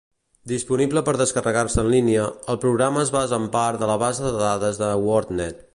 Disponible per descarregar-se en línia, el programa es basa en part de la base de dades de WordNet.